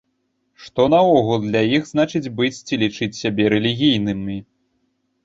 Што наогул для іх значыць быць ці лічыць сябе рэлігійнымі?